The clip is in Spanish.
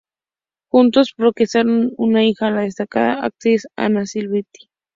Juntos procrearon una hija, la destacada actriz Anna Silvetti.